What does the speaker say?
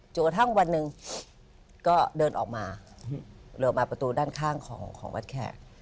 จนกระทั่งวันหนึ่งก็เดินออกมาเหลือมาประตูด้านข้างของวัดแขก